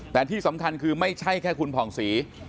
แต่ที่สำคัญคือไม่ใช่แค่คุณผ่องศรี